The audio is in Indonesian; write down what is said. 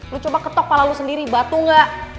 lo coba ketok kepala lo sendiri batu gak